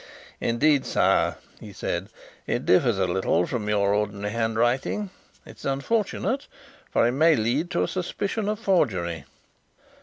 "Indeed, sire," he said, "it differs a little from your ordinary handwriting. It is unfortunate, for it may lead to a suspicion of forgery."